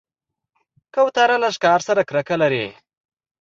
کوتره له ښکار سره کرکه لري.